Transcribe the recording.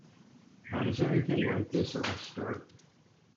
How does anything like this ever start?